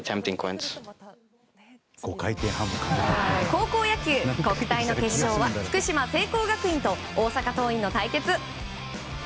高校野球、国体の決勝は福島・聖光学院と大阪桐蔭の対決。